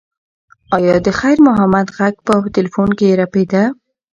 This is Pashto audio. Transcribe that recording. ایا د خیر محمد غږ په تلیفون کې رپېده؟